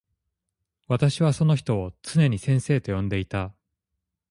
私はその人をつねに先生と呼んでいた。